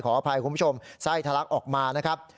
ขออภัยคุณผู้ชมไส้ทะลักออกมานะครับ